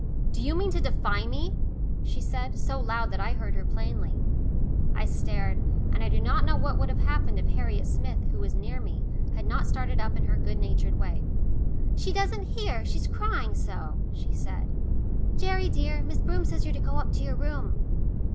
"Do you mean to defy me?" she said, so loud that I heard her plainly. I stared, and I do not know what would have happened if Harriet Smith, who was near me, had not started up in her good natured way. "She doesn't hear; she's crying so," she said. "Gerry, dear, Miss Broom says you're to go up to your room."